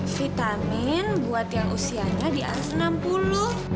vitamin buat yang usianya di atas enam puluh